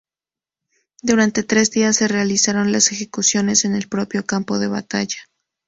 Durante tres días se realizaron las ejecuciones en el propio campo de batalla.